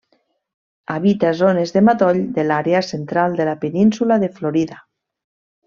Habita zones de matoll de l'àrea central de la Península de Florida.